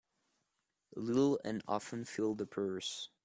Little and often fill the purse.